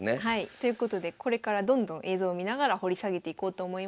ということでこれからどんどん映像を見ながら掘り下げていこうと思います。